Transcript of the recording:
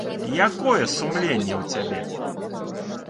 Якое сумленне ў цябе?